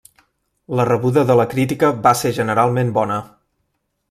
La rebuda de la crítica va ser generalment bona.